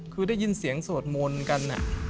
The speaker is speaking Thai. คือได้ยินเสียงสวดมนต์กัน